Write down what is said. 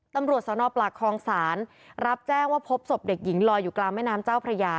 ตำรวจสนปากคลองศาลรับแจ้งว่าพบศพเด็กหญิงลอยอยู่กลางแม่น้ำเจ้าพระยา